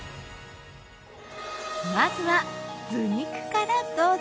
まずは頭肉からどうぞ。